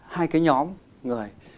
hai cái nhóm người